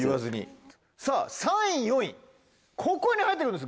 さぁ３位４位ここに入って来るんです